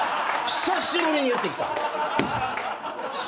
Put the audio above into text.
久しぶりに言ってきた。